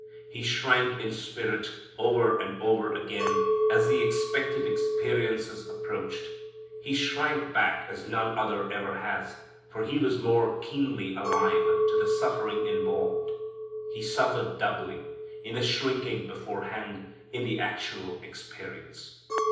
He shrank in spirit over and over again as the expected experiences approached. He shrank back as none other ever has, for He was more keenly alive to the suffering involved. He suffered doubly: in the shrinking beforehand; in the actual experience.